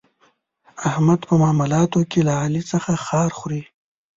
احمد په معاملاتو کې له علي څخه خار خوري.